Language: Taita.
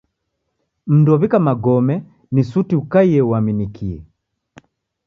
Mndu ow'ika magome ni suti ukaie uaminikie.